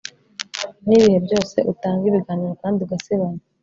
nibihe byose utanga ibiganiro kandi ugasebanya